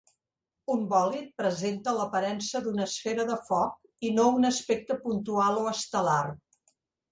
Un bòlid presenta l'aparença d'una esfera de foc, i no un aspecte puntual o estel·lar.